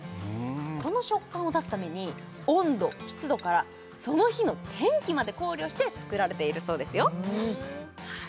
この食感を出すために温度湿度からその日の天気まで考慮して作られているそうですよ